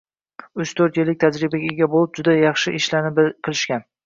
uch-to'rt yillik tajribaga ega boʻlib, juda yaxshi ishlarni qilishgan.